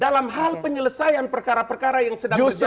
dalam hal penyelesaian perkara perkara yang sedang berjalan